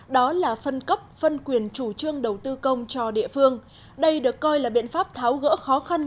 đó là phân cấp phân quyền chủ trương đầu tư công cho địa phương đây được coi là biện pháp tháo gỡ khó khăn